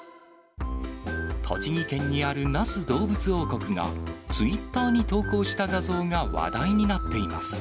栃木県にある那須どうぶつ王国が、ツイッターに投稿した画像が話題になっています。